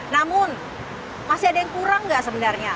namun masih ada yang kurang nggak sebenarnya